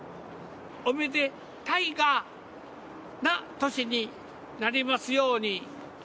おめでタイガーな年になりますように。